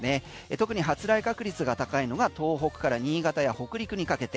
特に発雷確率が高いのが東北から新潟や北陸にかけて。